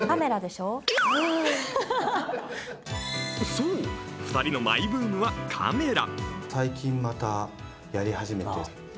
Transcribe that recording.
そう、２人のマイブームはカメラ。